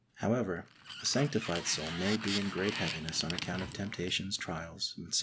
However, a sanctified soul may be in great heaviness on account of temptations, trials, etc.